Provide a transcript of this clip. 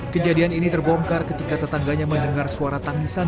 kejadian ini terbongkar ketika tetangganya mendengar suara tangisan